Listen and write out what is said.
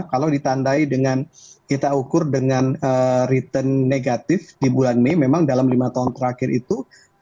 kalau ditandai dengan kita ukur dengan return negatif di bulan mei memang dalam lima tahun terakhir itu